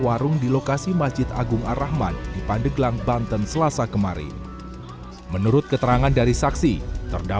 walres tasik malaya masih mengejar pelaku yang terlibat mengirim korban ke malaysia